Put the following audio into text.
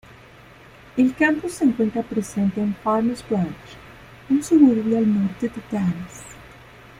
El campus se encuentra presente en Farmers Branch, un suburbio al norte de Dallas.